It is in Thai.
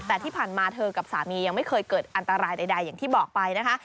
แต่ที่ผ่านมาเธอกับสามียังไม่เคยเกิดอันตรายใดอย่างที่บอกไปนะคะ